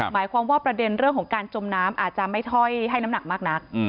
หมายความว่าประเด็นเรื่องของการจมน้ำอาจจะไม่ค่อยให้น้ำหนักมากนัก